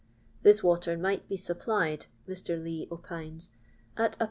This water might be supplied, Mr. Lee opines, at lc2.